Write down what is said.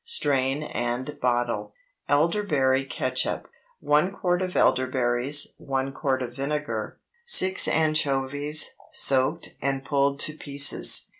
Strain and bottle. ELDERBERRY CATSUP. 1 quart of elderberries. 1 quart of vinegar. 6 anchovies, soaked and pulled to pieces.